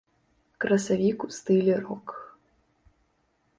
Красавік у стылі рок.